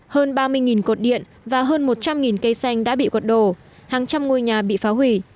hơn ba mươi cột điện và hơn một trăm linh cây xanh đã bị cột đổ hàng trăm ngôi nhà bị phá hủy